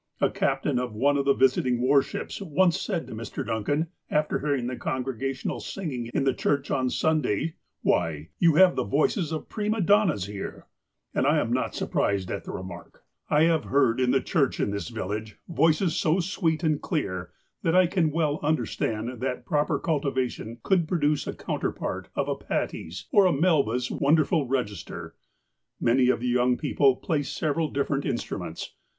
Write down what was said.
A captain of one of the visiting war ships once said to Mr. Duncan, after hearing the congre gational singing in the church on Sunday :" Why, you have the voices of j^rima donnas here !" And I am not surprised at the remark. I have heard i 338 THE APOSTLE OF ALASKA iu the church in this village voices so sweet and clear, that I can well understand that proper cultivation could produce a counterpart of a Patti's or a Melba's wonderful register. Many of the young peoi)le play several different in struments.